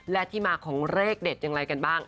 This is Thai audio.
และที่มาของเลขเด็ดอย่างไรกันบ้าง